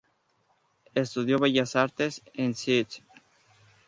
Estudió bellas artes en St.